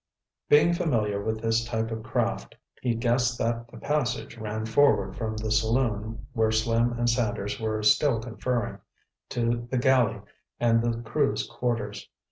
Being familiar with this type of craft, he guessed that the passage ran forward from the saloon where Slim and Sanders were still conferring, to the galley and the crew's quarters.